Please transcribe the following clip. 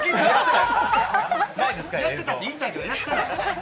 やってたって言いたいけど、やっていない。